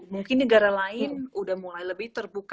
mungkin negara lain udah mulai lebih terbuka